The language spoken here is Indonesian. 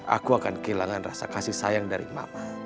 aku akan kehilangan rasa kasih sayang dari mama